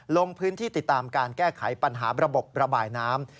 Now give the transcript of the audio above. ลงพื้นที่ติดตามการแก้ไขปัญหาระบบระบายน้ำ